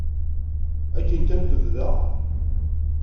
Akken kan tebda.